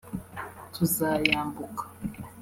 tuzayambuka